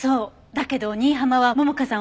だけど新浜は桃香さん